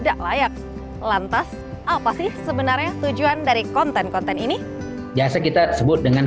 tidak layak lantas apa sih sebenarnya tujuan dari konten konten ini biasa kita sebut dengan